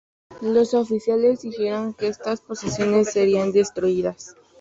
Los oficiales dijeron que estas posesiones serían destruidas.